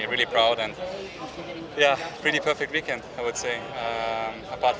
ini adalah musim yang sangat bagus selain dari p tiga yang kita top setiap sesi